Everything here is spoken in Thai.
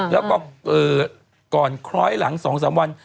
แล้วก็ก่อนคล้อยหลัง๒๓วัน